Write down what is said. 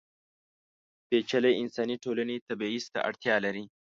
پېچلې انساني ټولنې تبعیض ته اړتیا لري.